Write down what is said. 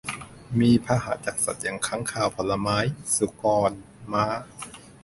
มีพาหะจากสัตว์อย่างค้างคาวผลไม้ สุกร ม้า